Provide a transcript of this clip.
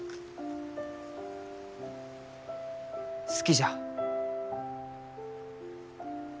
好きじゃ。